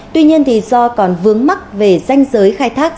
tuy nhiên do còn vướng mắc về danh giới khai thác